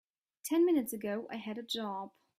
Ten minutes ago I had a job.